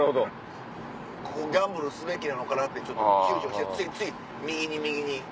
ここギャンブルすべきなのかなってちゅうちょしてついつい右に右に。